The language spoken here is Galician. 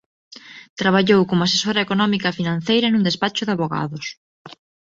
Traballou como asesora económica e financeira nun despacho de avogados.